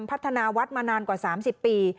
พัฒนาวัดมานานกว่า๓๐ปี